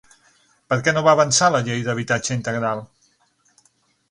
Per què no va avançar la Llei d'habitatge integral?